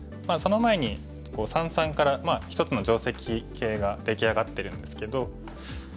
その前に三々から一つの定石形が出来上がってるんですけど。